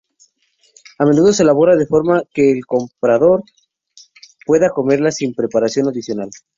A menudo se elabora de forma que el comprador pueda comerla sin preparación adicional.